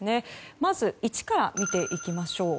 まず１から見ていきましょう。